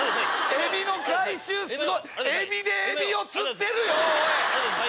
エビの回収すごい！エビでエビを釣ってるよおい！